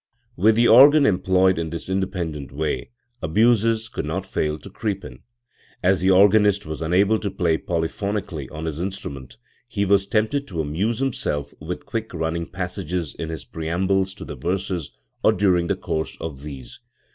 With the organ employed in this independent way, abuses could not fail to creep in, As the organist was unable to play polyphonically on his instrument, lie was tempted to amuse himself with quick running passages in his preambles to the verses or during the course of these.